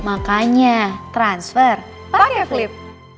makanya transfer pake flip